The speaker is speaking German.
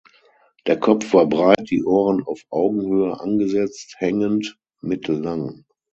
Der Kopf war breit, die Ohren auf Augenhöhe angesetzt, hängend, mittellang.